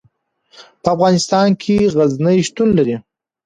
په افغانستان کې غزني شتون لري.